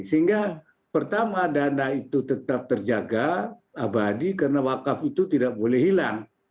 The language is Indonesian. sehingga pertama dana itu tetap terjaga abadi karena wakaf itu tidak boleh hilang